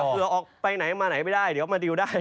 ออกไปไหนมาไหนไม่ได้เดี๋ยวมาดิวได้